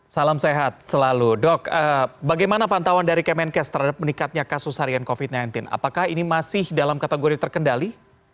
salam sehat selalu dok bagaimana pantauan dari kemenkes terhadap meningkatnya kasus harian covid sembilan belas apakah ini masih dalam kategori terkendali